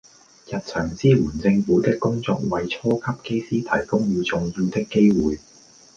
日常支援政府的工作為初級機師提供了重要的機會